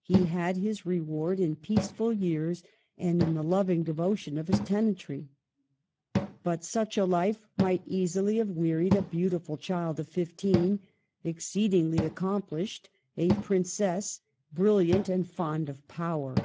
He had his reward in peaceful years and in the loving devotion of his tenantry. But such a life might easily have wearied a beautiful child of fifteen, exceedingly accomplished, a princess, brilliant, and fond of power.